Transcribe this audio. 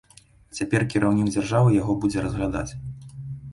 Цяпер кіраўнік дзяржавы яго будзе разглядаць.